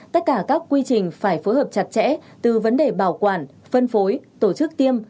tất cả các quy trình phải phối hợp chặt chẽ từ vấn đề bảo quản phân phối tổ chức tiêm